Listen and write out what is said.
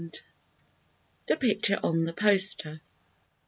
THE PICTURE ON THE POSTER.